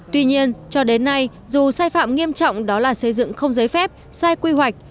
tuy nhiên cho đến nay dù sai phạm nghiêm trọng đó là xây dựng không giấy phép sai quy hoạch